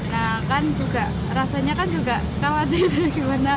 nah kan juga rasanya juga sangat menarik